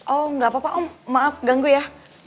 oh nggak apa apa om maaf ganggu ya